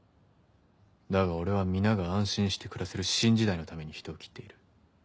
だが俺は皆が安心して暮らせる新時代のために人を斬っている。